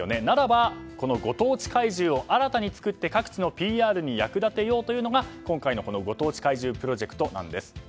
ならば、このご当地怪獣を新たに作って各地のＰＲに役立てようというのが今回のご当地怪獣プロジェクトなんです。